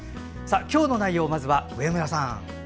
今日の内容、まずは上村さん。